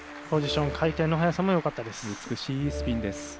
ポジション、回転の速さもよかったです。